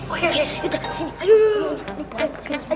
oke oke yuk dah disini ayo yuk yuk yuk